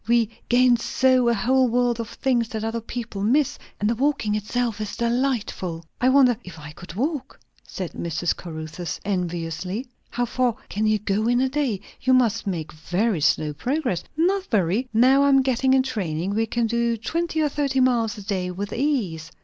"We gain so a whole world of things that other people miss. And the walking itself is delightful." "I wonder if I could walk?" said Mrs. Caruthers enviously. "How far can you go in a day? You must make very slow progress?" "Not very. Now I am getting in training, we can do twenty or thirty miles a day with ease."